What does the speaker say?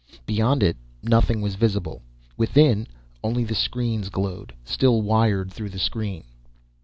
Beyond it, nothing was visible. Within, only the screens glowed still, wired through the screen.